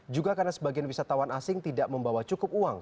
juga karena sebagian wisatawan asing tidak membawa cukup uang